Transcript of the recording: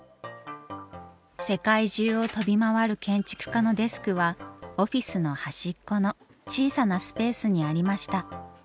世界中を飛び回る建築家のデスクはオフィスの端っこの小さなスペースにありました。